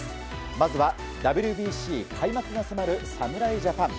まずはＷＢＣ開幕が迫る侍ジャパン。